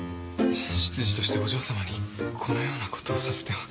執事としてお嬢さまにこのようなことをさせては。